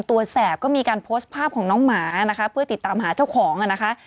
แสบก็มีการโพสต์ภาพของน้องหมานะคะเพื่อติดตามหาเจ้าของอ่ะนะคะ